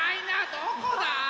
どこだ？